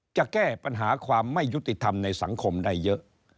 จะแก้ปัญหาความไม่ยุติธรรมในสังคมได้เยอะ